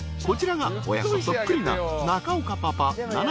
［こちらが親子そっくりな中岡パパ。